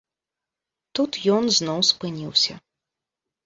Тут ён зноў спыніўся.